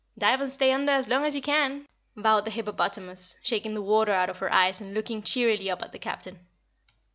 "Dive and stay under as long as you can," vowed the hippopotamus, shaking the water out of her eyes and looking cheerily up at the Captain.